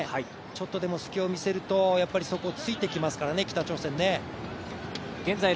ちょっとでも隙を見せると、そこを突いてきますからね、北朝鮮。